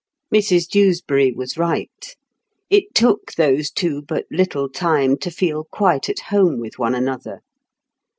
Mrs Dewsbury was right. It took those two but little time to feel quite at home with one another.